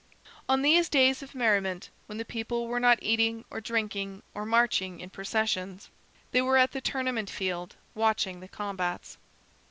On these days of merriment, when the people were not eating or drinking or marching in processions, they were at the tournament field, watching the combats.